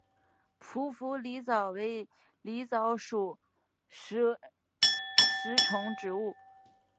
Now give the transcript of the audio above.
匍匐狸藻为狸藻属食虫植物。